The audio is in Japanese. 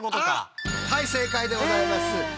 はい正解でございます。